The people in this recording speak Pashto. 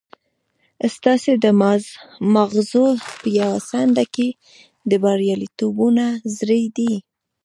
ستاسې د ماغزو په يوه څنډه کې د برياليتوبونو زړي دي.